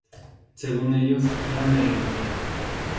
Según ellos, eran de Alemania.